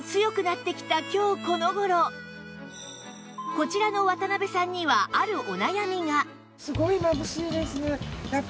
こちらの渡邉さんにはあるお悩みが